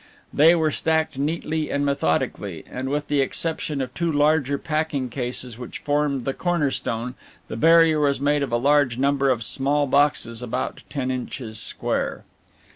They were stacked neatly and methodically, and with the exception of two larger packing cases which formed the "corner stone" the barrier was made of a large number of small boxes about ten inches square.